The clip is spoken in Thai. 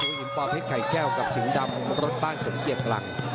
ดูหิมป่าเพชรไข่แก้วกับสิงห์ดำรถบ้านสวงเกียร์กลัง